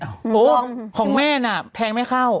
โอ้โหของแม่น่ะแทงไม่เข้า